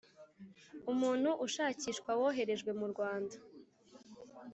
umuntu ushakishwa woherejwe mu rwanda